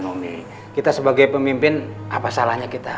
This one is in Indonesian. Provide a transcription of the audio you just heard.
ekonomi kita sebagai pemimpin apa salahnya kita